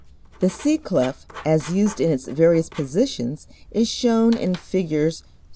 The C clef as used in its various positions is shown in Figs.